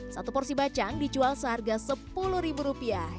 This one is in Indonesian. satu porsi bacang dijual seharga sepuluh ribu rupiah